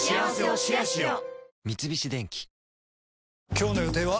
今日の予定は？